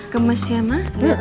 kemes ya ma